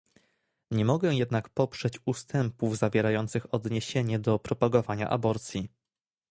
Nie mogę jednak poprzeć ustępów zawierających odniesienie do propagowania aborcji